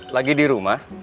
lagi di rumah